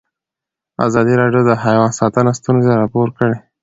ازادي راډیو د حیوان ساتنه ستونزې راپور کړي.